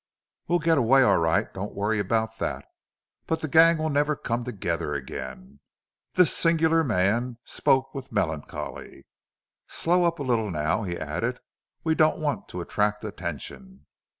"We'll get away, all right. Don't worry about that. But the gang will never come together again." This singular man spoke with melancholy. "Slow up a little now," he added. "We don't want to attract attention....